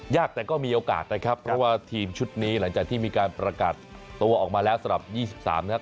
แต่ก็มีโอกาสนะครับเพราะว่าทีมชุดนี้หลังจากที่มีการประกาศตัวออกมาแล้วสำหรับ๒๓นะครับ